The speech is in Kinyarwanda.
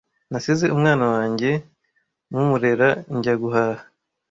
Nasize umwana wanjye mumurera njya guhaha.